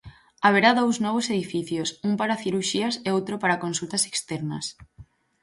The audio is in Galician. Haberá dous novos edificios: un para cirurxías e outro para consultas externas.